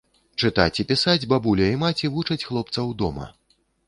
Чытаць і пісаць бабуля і маці вучаць хлопцаў дома.